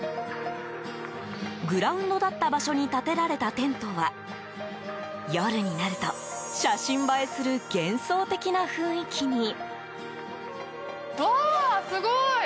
グラウンドだった場所に建てられたテントは夜になると写真映えする幻想的な雰囲気に。